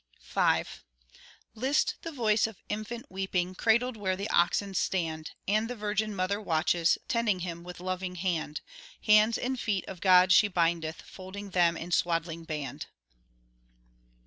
V List! the voice of infant weeping, Cradled where the oxen stand, And the Virgin mother watches, Tending Him with loving hand,— Hands and feet of God she bindeth, Folding them in swaddling band.